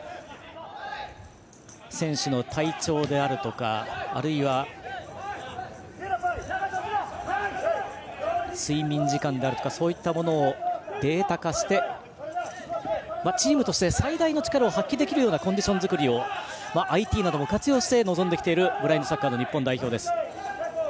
選手の体調であるとかあるいは、睡眠時間であるとかそういったものをデータ化してチームとして最大の力を発揮できるようなコンディション作りをＩＴなども活用して臨んできているブラインドサッカーの日本代表。